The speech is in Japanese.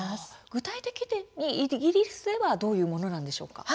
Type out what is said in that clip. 具体的にイギリスではどういうものなんでしょうか。